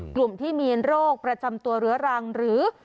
กลุ่มที่มีโรคประจำตัวเรื้อรังหรือ